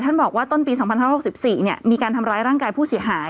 บอกว่าต้นปี๒๕๖๔มีการทำร้ายร่างกายผู้เสียหาย